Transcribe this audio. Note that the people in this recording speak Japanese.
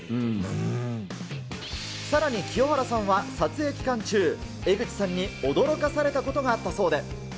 さらに、清原さんは撮影期間中、江口さんに驚かされたことがあったそうで。